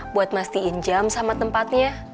buat mastiin jam sama tempatnya